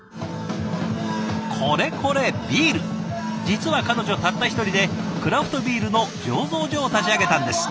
実は彼女たった一人でクラフトビールの醸造所を立ち上げたんです。